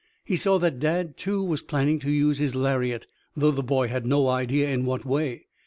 He saw that Dad, too, was planning to use his lariat, though the boy had no idea in what way.